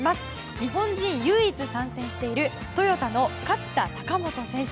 日本人で唯一参戦しているトヨタの勝田貴元選手。